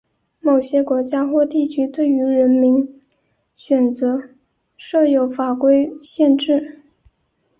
某些国家或地区对于人名选择设有法规限制。